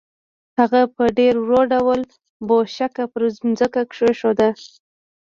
هغه په ډېر ورو ډول بوشکه پر ځمکه کېښوده.